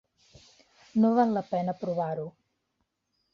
No val la pena provar-ho.